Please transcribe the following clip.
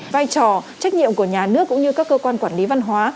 vai trò trách nhiệm của nhà nước cũng như các cơ quan quản lý văn hóa